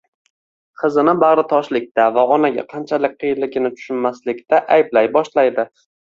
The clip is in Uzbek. qizini bag‘ri toshlikda va onaga qanchalik qiyinligini tushunmaslikda ayblay boshlaydi.